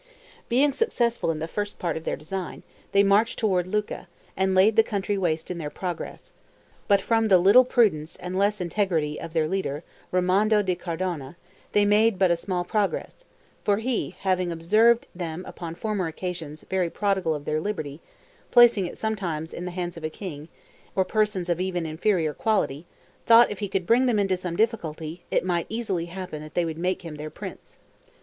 Being successful in the first part of their design, they marched toward Lucca, and laid the country waste in their progress; but from the little prudence and less integrity of their leader, Ramondo di Cardona, they made but small progress; for he, having observed them upon former occasions very prodigal of their liberty, placing it sometimes in the hands of a king, at others in those of a legate, or persons of even inferior quality, thought, if he could bring them into some difficulty, it might easily happen that they would make him their prince.